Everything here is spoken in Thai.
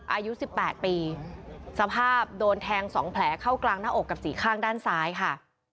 อายุ๑๘ปีสภาพโดนแทง๒แผลเข้ากลางหน้าอกกับสี่ข้างด้านซ้ายค่ะ